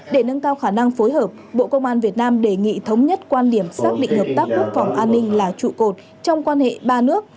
để nâng cao khả năng phối hợp bộ công an việt nam đề nghị thống nhất quan điểm xác định hợp tác quốc phòng an ninh là trụ cột trong quan hệ ba nước